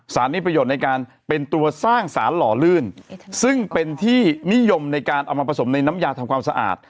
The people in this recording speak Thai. สารนี้ประโยชน์ในการเป็นตัวสร้างสารหล่อลื่นซึ่งเป็นที่นิยมในการเอามาผสมในน้ำยาทำความสะอาด